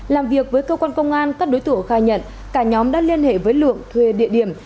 làm việc với cơ quan công an các đối tượng khai nhận cả nhóm đã liên hệ với lượng thuê địa điểm